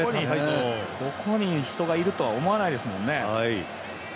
ここに人がいるとは思わないですもんね。